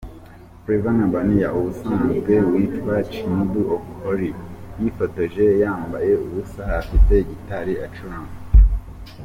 Flavour N’abania ubusanzwe witwa Chinedu Okoli yifotoje yambaye ubusa, afite gitari acuranga.